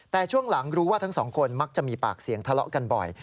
แต่ช่วงหลังรู้ว่าทั้งสองคนมักจะมีปากเสียงทะเลาะกันบ่อย